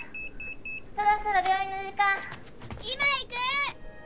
そろそろ病院の時間今行く！